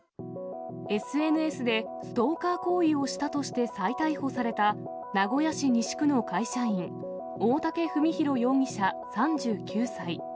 ＳＮＳでストーカー行為をしたとして再逮捕された名古屋市西区の会社員、大竹史紘容疑者３９歳。